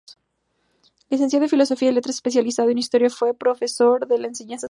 Licenciado en Filosofía y Letras, especializado en Historia, fue profesor de enseñanza secundaria.